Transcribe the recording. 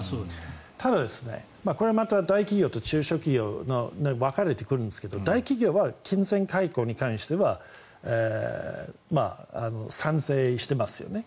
ただこれは大企業と中小企業で分かれてくるんですが大企業は金銭解雇に関しては賛成してますよね。